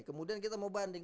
kemudian kita mau banding